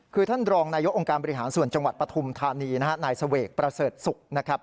คือท่านรองนายกอบจส่วนจังหวัดปฐุมธานีนายเสวกประเสริฐศุกร์นะครับ